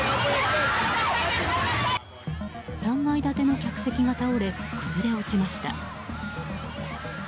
３階建ての客席が倒れ崩れ落ちました。